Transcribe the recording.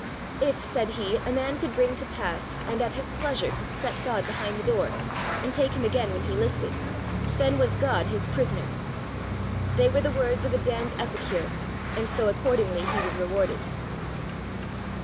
If, said he, a man could bring to pass, and at his pleasure could set God behind the door, and take him again when he listed, then was God his prisoner. They were words of a damned Epicure, and so accordingly he was rewarded.